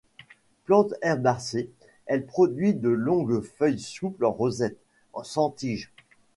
Plante herbacée, elle produit ses longues feuilles souples en rosette, sans tige.